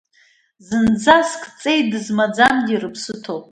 Зынӡаск ҵеи дызмаӡамгьы рыԥсы ҭоуп.